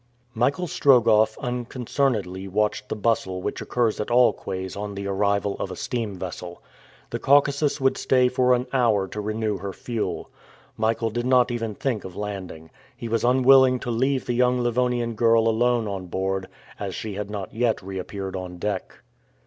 Michael Strogoff unconcernedly watched the bustle which occurs at all quays on the arrival of a steam vessel. The Caucasus would stay for an hour to renew her fuel. Michael did not even think of landing. He was unwilling to leave the young Livonian girl alone on board, as she had not yet reappeared on deck.